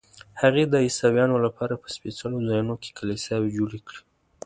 هغې د عیسویانو لپاره په سپېڅلو ځایونو کې کلیساوې جوړې کړې.